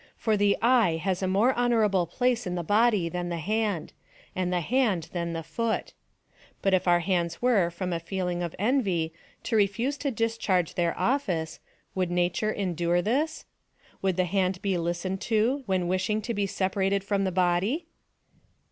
For the eye has a more honourable place in the body than the hand, and the hand than the foot But if our hands were, from a feeling of envy, to refuse to discharge their office, would nature endure this ? Would the hand be listened to, when wishing to be separated from the body